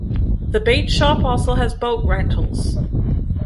The bait shop also has boat rentals.